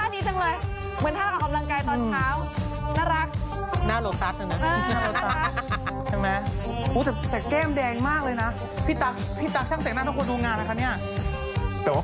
นี่ชอบท่านี้จังเลยเหมือนท่ากับกำลังกายตอนเช้า